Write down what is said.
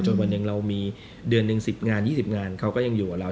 วันหนึ่งเรามีเดือนหนึ่ง๑๐งาน๒๐งานเขาก็ยังอยู่กับเรา